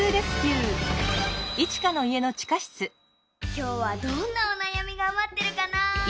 きょうはどんなおなやみが待ってるかな？